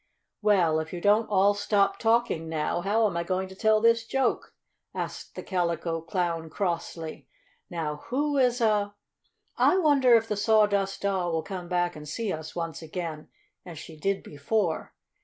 "Well, if you don't all stop talking now, how am I going to tell this joke?" asked the Calico Clown crossly. "Now, who is a " "I wonder if the Sawdust Doll will come back and see us once again, as she did before?"